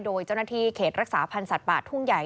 โดยเจ้าหน้าที่เขตรักษาพันธ์สัตว์ป่าทุ่งใหญ่